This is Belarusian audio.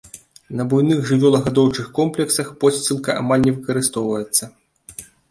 На буйных жывёлагадоўчых комплексах подсцілка амаль не выкарыстоўваецца.